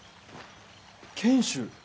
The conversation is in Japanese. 賢秀！